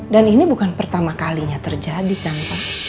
dan ini bukan pertama kalinya terjadi kan pak